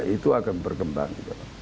itu akan berkembang